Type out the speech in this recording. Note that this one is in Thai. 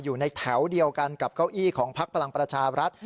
อยู่ในแถวเดียวกันกับเก้าอี้ของพักพลังประชารัฐ